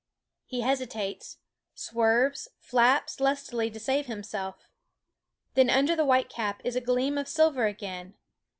He hesitates, swerves, flaps lustily to save himself. Then under the whitecap is a gleam of silver again.